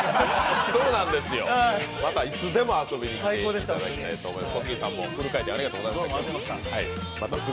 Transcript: そうなんですよ、またいつでも遊びに来ていただきたいと思います。